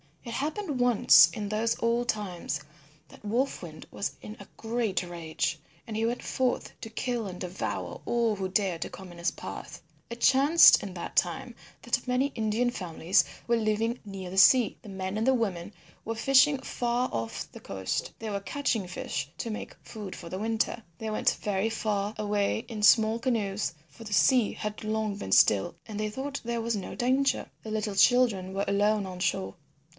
It happened once in those old times that Wolf Wind was in a great rage, and he went forth to kill and devour all who dared to come in his path. It chanced in that time that many Indian families were living near the sea. The men and women were fishing far off the coast. They were catching fish to make food for the winter. They went very far away in small canoes, for the sea had long been still and they thought there was no danger. The little children were alone on shore.